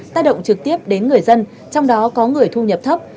tác động trực tiếp đến người dân trong đó có người thu nhập thấp